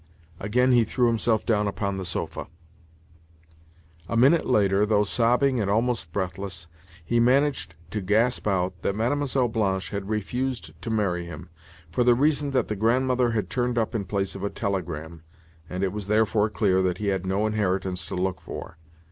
Again he threw himself down upon the sofa. A minute later, though sobbing and almost breathless, he managed to gasp out that Mlle. Blanche had refused to marry him, for the reason that the Grandmother had turned up in place of a telegram, and it was therefore clear that he had no inheritance to look for.